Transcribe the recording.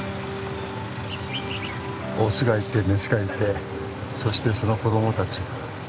オスがいてメスがいてそしてその子供たち。